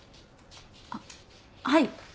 あっはい。